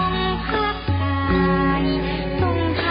ทรงเป็นน้ำของเรา